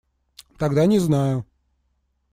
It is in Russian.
Тогда не знаю.